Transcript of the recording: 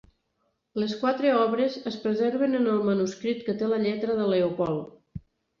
Les quatre obres es preserven en el manuscrit que té la lletra de Leopold.